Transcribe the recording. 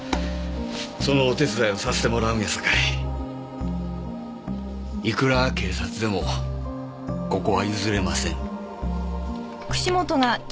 そのお手伝いをさせてもらうんやさかいいくら警察でもここは譲れません。